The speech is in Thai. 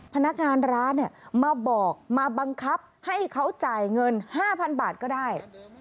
พนักงานร้านมาบอกมาบังคับให้เขาจ่ายเงิน๕๐๐๐บาทก็ได้